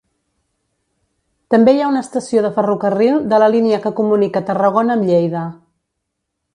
També hi ha una estació de ferrocarril de la línia que comunica Tarragona amb Lleida.